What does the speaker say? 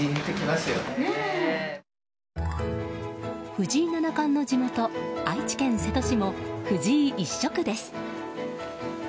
藤井七冠の地元愛知県瀬戸市も藤井一色です。